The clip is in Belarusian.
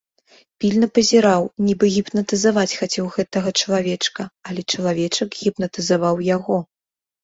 Пільна пазіраў, нібы гіпнатызаваць хацеў гэтага чалавечка, але чалавечак гіпнатызаваў яго.